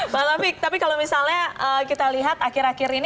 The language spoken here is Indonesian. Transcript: bang taufik tapi kalau misalnya kita lihat akhir akhir ini